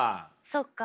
そっか。